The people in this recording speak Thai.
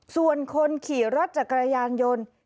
ส่วนคนขี่รถจักรยานยนต์